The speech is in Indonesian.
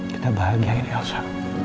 kita bahagia nih elsa